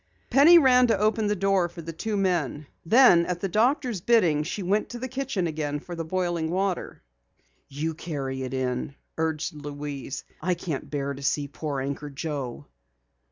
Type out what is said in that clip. Penny ran to open the door for the two men. Then, at the doctor's bidding, she went to the kitchen again for the boiling water. "You carry it in," urged Louise. "I can't bear to see poor Anchor Joe."